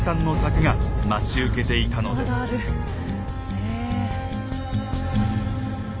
へえ。